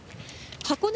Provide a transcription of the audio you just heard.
箱根